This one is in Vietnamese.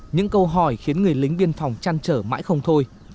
những câu hỏi khiến người lính biên phòng chăn trở mãi không thôi